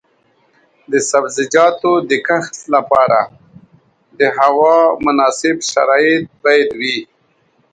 د سبزیجاتو د کښت لپاره د هوا مناسب شرایط باید وي.